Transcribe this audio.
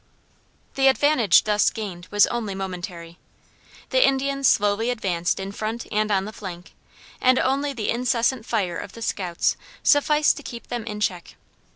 The advantage thus gained was only momentary. The Indians slowly advanced in front and on the flank, and only the incessant fire of the scouts sufficed to keep them in check.